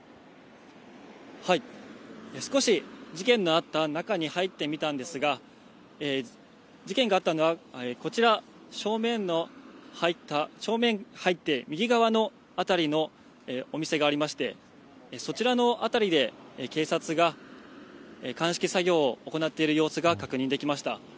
少し事件のあった中に入ってみたんですが、事件があったのは、こちら正面の、正面入って右側の辺りのお店がありまして、そちらの辺りで警察が鑑識作業を行っている様子が確認できました。